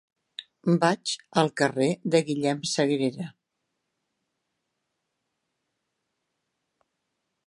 Vaig al carrer de Guillem Sagrera.